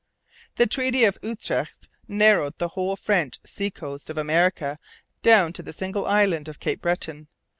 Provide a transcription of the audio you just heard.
The Treaty of Utrecht narrowed the whole French sea coast of America down to the single island of Cape Breton.